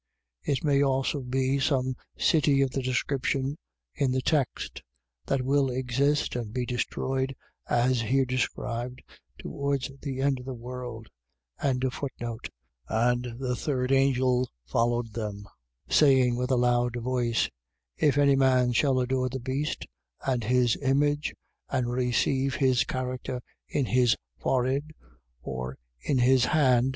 It may also be some city of the description in the text, that will exist, and be destroyed, as here described, towards the end of the world. 14:9. And the third angel followed them, saying with a loud voice: If any man shall adore the beast and his image and receive his character in his forehead or in his hand, 14:10.